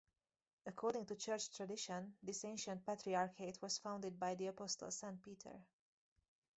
According to church tradition, this ancient Patriarchate was founded by the Apostle Saint Peter.